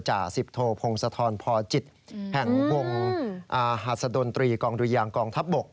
จ่าสิบโทพงศธรพจิตแห่งวงหัสดนตรีกองดุยางกองทัพบก